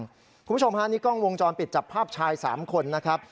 คุณผู้ชมฮะนี่กล้องวงจรปิดจับภาพชาย๓คนนะครับ